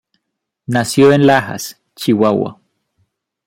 Nació en Lajas, Chihuahua.